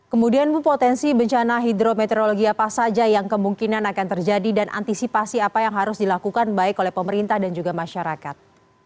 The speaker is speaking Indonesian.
kemudian bu potensi bencana hidrometeorologi apa saja yang kemungkinan akan terjadi dan antisipasi apa yang harus dilakukan baik oleh pemerintah dan juga masyarakat